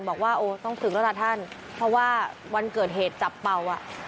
บอกว่าโอ้ต้องศึกแล้วล่ะท่านเพราะว่าวันเกิดเหตุจับเป่าอ่ะ